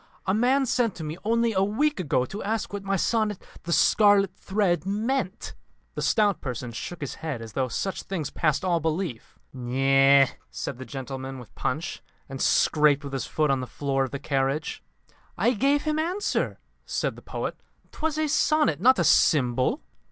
"A man sent to me only a week ago to ask what my sonnet 'The Scarlet Thread' meant?" The stout person shook his head as though such things passed all belief. "Gur r r r," said the gentleman with Punch, and scraped with his foot on the floor of the carriage. "I gave him answer," said the poet, "'Twas a sonnet; not a symbol."